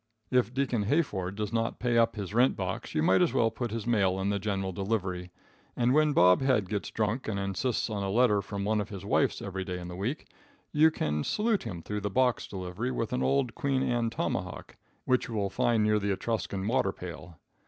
If Deacon Hayford does not pay up his box rent, you might as well put his mail in the general delivery, and when Bob Head gets drunk and insists on a letter from one of his wives every day in the week, you can salute him through the box delivery with an old Queen Anne tomahawk, which you will find near the Etruscan water pail.